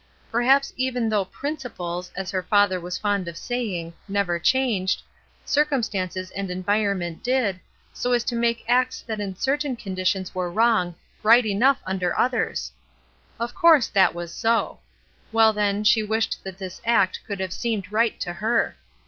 Perhaps even though ''principles," as her father was fond of saying, "never changed," circumstances and environment did, so as to make acts that in certain conditions were wrong, right enough un der others. Of course that was so. Well, then she wished that this act could have seemed right to her.